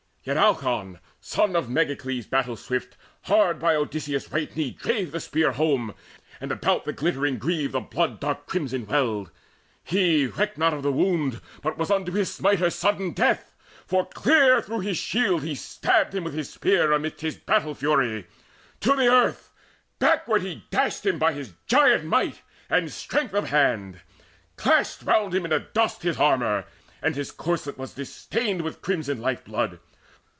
Yet Alcon, son of Megacles battle swift, Hard by Odysseus' right knee drave the spear Home, and about the glittering greave the blood Dark crimson welled. He recked not of the wound, But was unto his smiter sudden death; For clear through his shield he stabbed him with his spear Amidst his battle fury: to the earth Backward he dashed him by his giant might And strength of hand: clashed round him in the dust His armour, and his corslet was distained With crimson life blood.